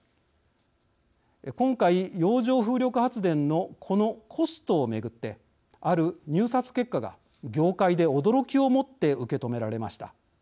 今回洋上風力発電のこのコストを巡ってある入札結果が業界で驚きをもって受け止められました。